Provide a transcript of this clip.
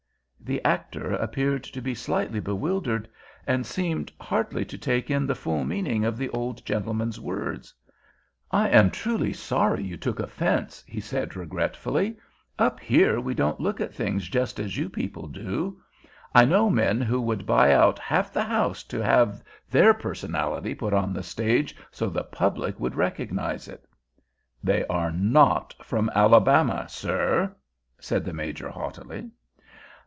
The actor appeared to be slightly bewildered, and seemed hardly to take in the full meaning of the old gentleman's words. "I am truly sorry you took offense," he said regretfully. "Up here we don't look at things just as you people do. I know men who would buy out half the house to have their personality put on the stage so the public would recognize it." "They are not from Alabama, sir," said the Major haughtily.